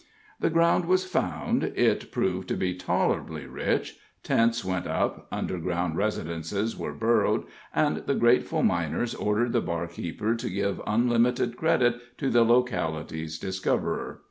The ground was found; it proved to be tolerably rich; tents went up, underground residences were burrowed, and the grateful miners ordered the barkeeper to give unlimited credit to the locality's discoverer.